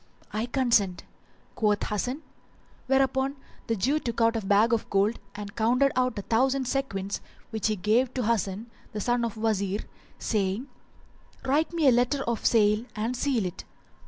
"I consent," quoth Hasan, whereupon the Jew took out a bag full of gold and counted out a thousand sequins which he gave to Hasan, the son of the Wazir, saying, "Write me a letter of sale and seal it."